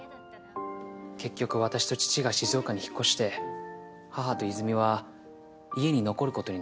結局私と父が静岡に引っ越して母と和泉は家に残る事になりました。